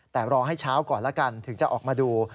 แต่รอให้เช้าก่อนแล้วกันถึงจะออกมาดู